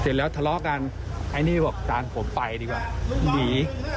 เสร็จแล้วทะเลาะกันไอ้นี่บอกตามผมไปดีกว่าหนี